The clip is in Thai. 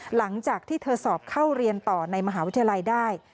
หลังจากที่เธอสอบเข้าเรียนต่อในมหาวิทยาลัยได้